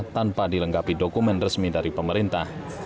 tanpa dilengkapi dokumen resmi dari pemerintah